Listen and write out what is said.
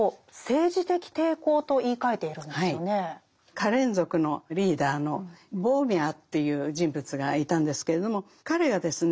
カレン族のリーダーのボーミャという人物がいたんですけれども彼がですね